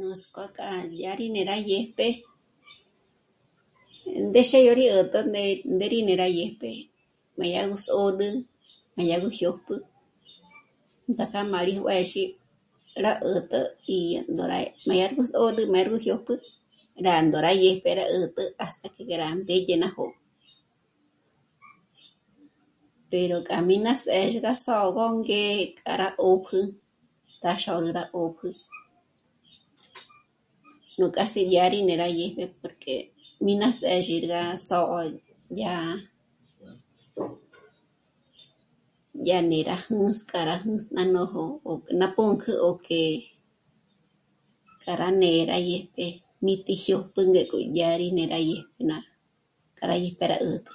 Nuts'k'ó kja dyá rí né'e rá dyéjpje ndéxe yó rí 'äri 'ä̀t'ä ndé rí né'e rá dyèjpje m'a dyá gó sôrü, m'a dyà gú jójpjü, ts'aka m'a rí juězhi rá 'ä̀t'ä í ndóra m'a dyà gú sôrü dyâ rú jyójpju rá ndóra dyéjpje rá 'ä̀t'ä hasta que rá mbédye ná jó'o... pero k'a mí ná sêrgaso gó ngé'e k'a rá 'ö̀p'ü rá xôra 'ö̀p'ü nú k'a si dyérí ngí porque mí ná sézhi 'ängrá só'o dyà'a... dyà'a jné'e rá jǔndzk'a jǔndzk'a ná nójo k'o ná pǔnk'ü o que k'a rá né'e rá dyà dyèjpje mí ti jyó mbǘngéko dyá rí né'e rá dyéjpe ná k'a rí dyèpjera 'ä̀'tä